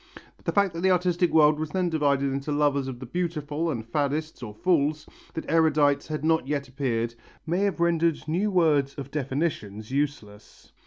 The fact that the artistic world was then divided into lovers of the beautiful and faddists or fools, that erudites had not yet appeared, may have rendered new words of definitions useless.